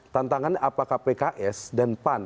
tantangannya apakah pks dan pan